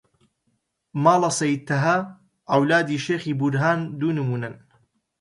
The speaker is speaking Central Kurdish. ماڵە سەید تەها، عەولادی شێخی بورهان دوو نموونەن